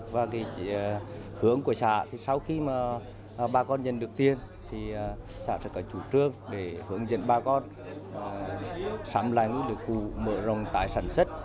ba con nhận được tiền thì xã sẽ có chủ trương để hướng dẫn ba con xám lãnh được khu mở rộng tài sản xuất